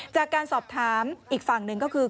จากการสอบถามอีกฝั่งหนึ่งก็คือ